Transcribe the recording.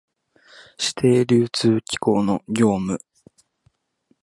指定流通機構の業務